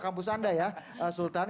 kampus anda ya sultan